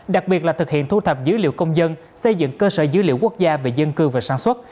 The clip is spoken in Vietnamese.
đặc biệt là thực hiện thu thập dữ liệu công dân xây dựng cơ sở dữ liệu quốc gia về dân cư và sản xuất